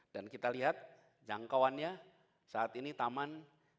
dan kita lihat jangkauannya saat ini taman